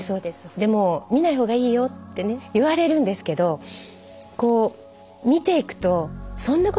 でも見ない方がいいよってね言われるんですけどこう見ていくとそんなことないよ